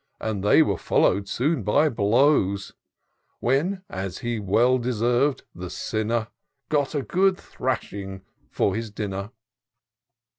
And they were follow'd soon by blows : When, as he well deserv'd, the sinner Got a good thrashing for his dinner."